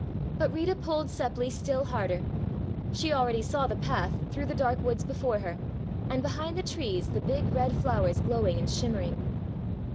But Rita pulled Seppli still harder. She already saw the path through the dark woods before her, and behind the trees the big red flowers glowing and shimmering.